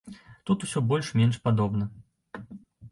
Тут усё больш-менш падобна.